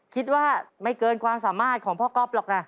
คิดว่าไม่เกินความสามารถของพ่อก๊อฟหรอกนะ